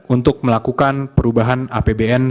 untuk melakukan perubahan apbn